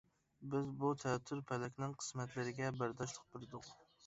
بىز بۇ تەتۈر پەلەكنىڭ قىسمەتلىرىگە بەرداشلىق بەردۇق.